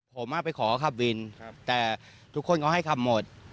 ผมไปขอขับวินแต่ทุกคนเขาให้ขับหมด